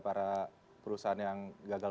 para perusahaan yang gagal